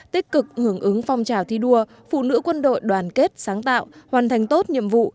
tích cực hưởng ứng phong trào thi đua phụ nữ quân đội đoàn kết sáng tạo hoàn thành tốt nhiệm vụ